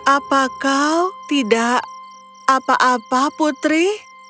apa kau tidak apa apa putri